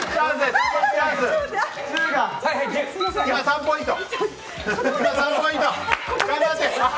今、３ポイント。